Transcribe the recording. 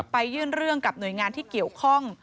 ยื่นเรื่องกับหน่วยงานที่เกี่ยวข้อง